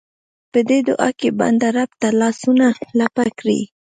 په دې دعا کې بنده رب ته لاسونه لپه کړي.